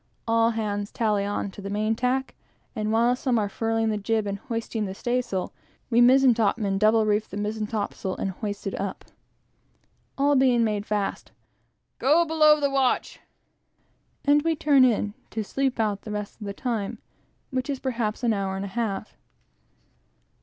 All hands tally on to the main tack, and while some are furling the jib, and hoisting the staysail, we mizen topmen double reef the mizen topsail and hoist it up. All being made fast "Go below, the watch!" and we turn in to sleep out the rest of the time, which is perhaps an hour and a half.